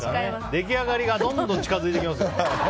出来上がりがどんどん近づいてきます。